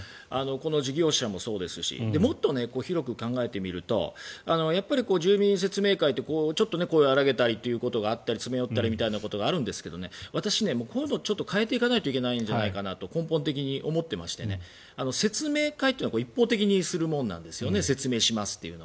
この事業者もそうですしもっと広く考えてみるとやっぱり住民説明会ってちょっと声を荒らげたりっていうことがあったり詰め寄ったりということがあるんですが私、こういうのは変えていかなければいけないんじゃないかと根本的に思っていまして説明会というのは一方的にするものなんですよね説明しますと。